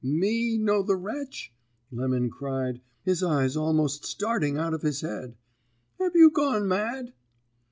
"'Me know the wretch!' Lemon cried, his eyes almost starting out of his head. 'Have you gone mad?'